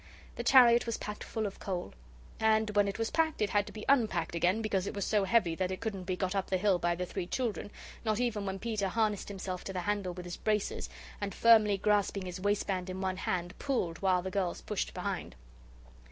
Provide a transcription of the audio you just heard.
The chariot was packed full of coal. And when it was packed it had to be unpacked again because it was so heavy that it couldn't be got up the hill by the three children, not even when Peter harnessed himself to the handle with his braces, and firmly grasping his waistband in one hand pulled while the girls pushed behind.